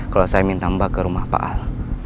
kalau saya minta mbak ke rumah pak al